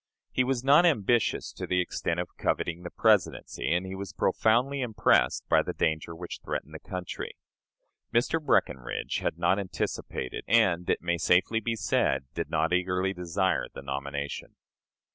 He was not ambitious to the extent of coveting the Presidency, and he was profoundly impressed by the danger which threatened the country. Mr. Breckinridge had not anticipated, and it may safely be said did not eagerly desire, the nomination.